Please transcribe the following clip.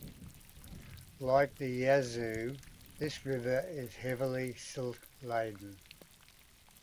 Like the Yazoo, this river is heavily silt laden.